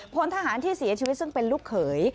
พลทหารที่เสียชีวิตซึ่งเป็นลูกเขย